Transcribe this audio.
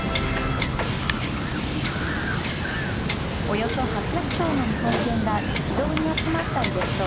およそ８００頭の日本犬が一堂に集まったイベント。